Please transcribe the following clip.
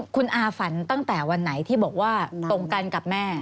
คุณอาฝันตั้งแต่วันไหนที่บอกว่าตรงกันกับแม่